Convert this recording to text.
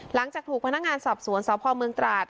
หลังจากถูกพนักงานสอบสวนสพเมืองตราด